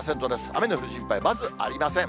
雨の降る心配まずありません。